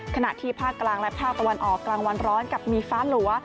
ขณะที่ภาคกลางและภาคตะวันออกกลางวันร้อนกับมีฟ้าหลัว